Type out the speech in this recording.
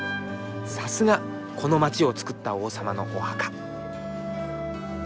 さすがこの街を造った王様のお墓。